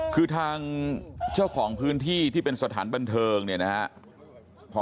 คือทางเจ้าของพื้นที่ที่เป็นสถานบันเทิงเนี่ยนะครับ